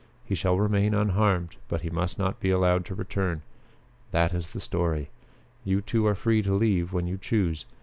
He shall remain unharmed, but he must not be allowed to return. That is the story. You two are free to leave when you choose.